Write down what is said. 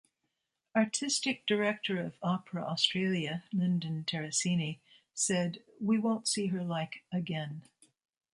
Artistic director of Opera Australia, Lyndon Terracini, said We won't see her like again.